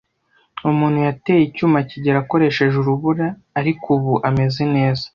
Umuntu yateye icyuma kigeli akoresheje urubura, ariko ubu ameze neza.